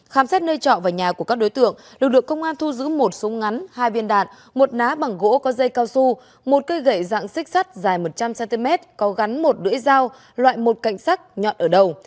khám xét nơi trọ và nhà của các đối tượng được được công an thu giữ một súng ngắn hai biên đạn một ná bằng gỗ có dây cao su một cây gậy dạng xích sắt dài một trăm linh cm có gắn một đuỗi dao loại một cạnh sắt nhọn ở đầu